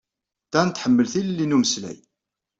Dan tḥemmel tilelli n umeslay.